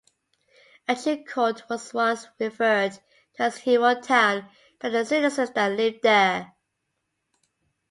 Agincourt was once referred to as "hero town" by the citizens that lived there.